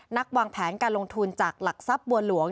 วางแผนการลงทุนจากหลักทรัพย์บัวหลวง